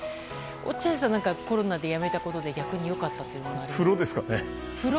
落合さん、コロナでやめたことで逆に良かったものありますか？